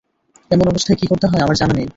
এমন অবস্থায় কী করতে হয় আমার জানা নেই।